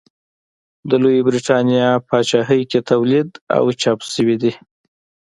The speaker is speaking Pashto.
د لویې برېتانیا پاچاهۍ کې تولید او چاپ شوي دي.